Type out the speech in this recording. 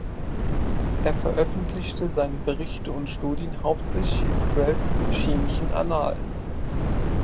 Er veröffentlichte seine Berichte und Studien hauptsächlich in Crell’s "Chemischen Annalen".